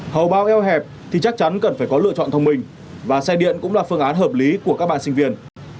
hầu bao eo hẹp thì chắc chắn cần phải có lựa chọn thông minh và xe điện cũng là phương án hợp lý của các bạn sinh viên